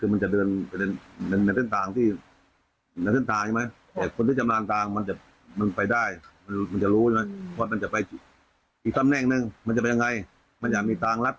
มันอยากมีต่างรัฐต่างโลกอะไรก็ได้